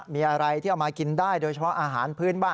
มีอะไรที่เอามากินได้โดยเฉพาะอาหารพื้นบ้าน